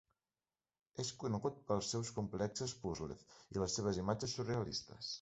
És conegut pels seus complexes puzles i les seves imatges surrealistes.